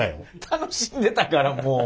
楽しんでたからもう。